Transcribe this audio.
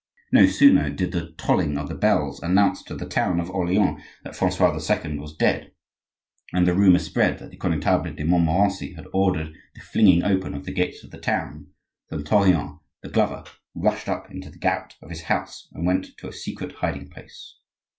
No sooner did the tolling of the bells announce to the town of Orleans that Francois II. was dead, and the rumor spread that the Connetable de Montmorency had ordered the flinging open of the gates of the town, than Tourillon, the glover, rushed up into the garret of his house and went to a secret hiding place.